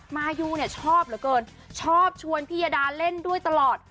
มายูเนี่ยชอบเหลือเกินชอบชวนพี่ยาดาเล่นด้วยตลอด